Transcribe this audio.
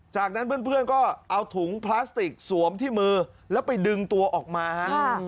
จากนั้นเพื่อนก็เอาถุงพลาสติกสวมที่มือแล้วไปดึงตัวออกมาฮะ